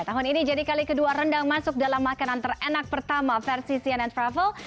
tahun ini jadi kali kedua rendang masuk dalam makanan terenak pertama versi cnn travel